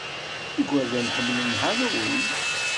Igerdan ḥemmlen Halloween.